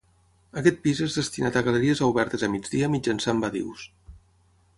Aquest pis és destinat a galeries obertes a migdia mitjançant badius.